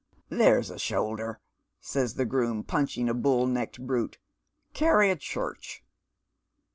" There's a shoulder !" says the groom, punching a bull necked brute. " Carry &, church."